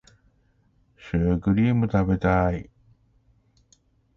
シュークリーム食べたい